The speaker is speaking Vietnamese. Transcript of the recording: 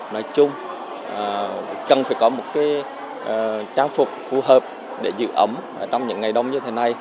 nói chung cần phải có một trang phục phù hợp để giữ ấm trong những ngày đông như thế này